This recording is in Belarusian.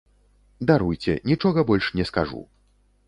Даруйце, нічога больш не скажу.